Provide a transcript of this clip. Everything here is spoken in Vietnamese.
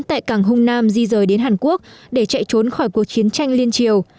tại cảng hung nam di rời đến hàn quốc để chạy trốn khỏi cuộc chiến tranh liên triều